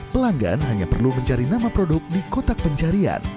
pelanggan hanya perlu mencari nama produk di kotak pencarian